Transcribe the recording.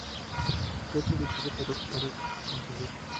Reto difícil pero conseguido.